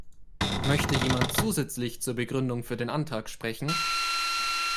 Möchte jemand zusätzlich zur Begründung für den Antrag sprechen?